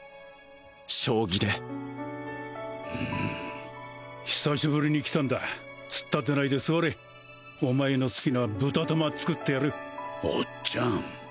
将棋で久しぶりに来たんだ突っ立ってないで座れお前の好きなブタ玉作ってやるおっちゃん